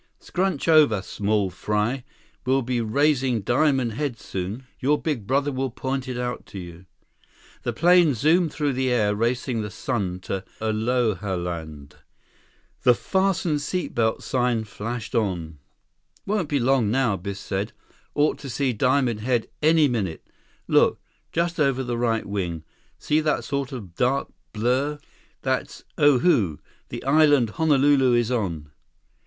"Scrunch over, small fry. We'll be raising Diamond Head soon. Your big brother will point it out to you." The plane zoomed through the air, racing the sun to Alohaland. The "Fasten Seat Belts" sign flashed on. "Won't be long now," Biff said. "Ought to see Diamond Head any minute. Look ... just over the right wing. See that sort of dark blur? That's Oahu, the island Honolulu is on."